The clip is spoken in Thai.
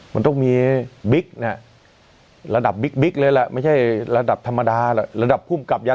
มันต้องมีเนี่ยระดับเลยแหละไม่ใช่ระดับธรรมดาระดับผู้กลับยา